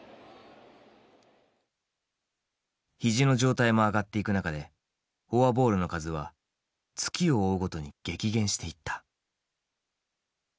肘の状態も上がっていく中でフォアボールの数は月を追うごとに激減していった。